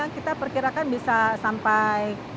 kita perkirakan bisa sampai